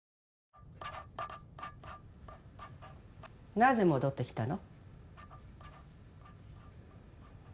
なぜ戻ってきたの？